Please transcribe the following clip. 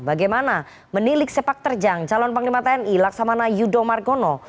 bagaimana menilik sepak terjang calon panglima tni laksamana yudho margono